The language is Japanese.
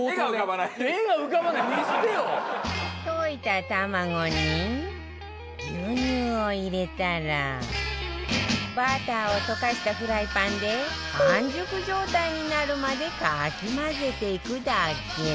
溶いた卵に牛乳を入れたらバターを溶かしたフライパンで半熟状態になるまでかき混ぜていくだけ